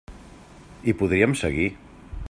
I podríem seguir.